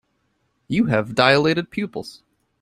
You have dilated pupils.